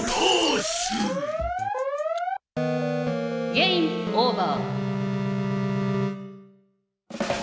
ゲームオーバー。